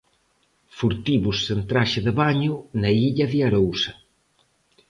Furtivos en traxe de baño na Illa de Arousa.